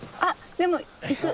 でも行く。